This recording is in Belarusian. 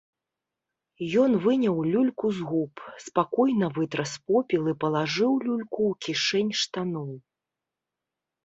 Ён выняў люльку з губ, спакойна вытрас попел і палажыў люльку ў кішэнь штаноў.